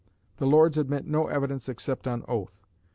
The Lords admit no evidence except on oath.